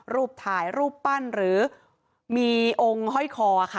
รูปถ่ายรูปปั้นหรือมีองค์ห้อยคอค่ะ